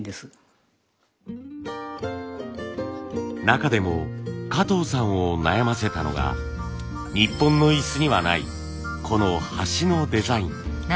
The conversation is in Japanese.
中でも加藤さんを悩ませたのが日本の椅子にはないこの端のデザイン。